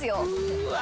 うわ！